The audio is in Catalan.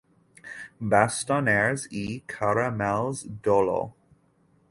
Bastoners i Caramelles d'Oló.